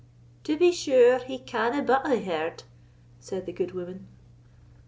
"To be sure, he canna but hae heard," said the good woman.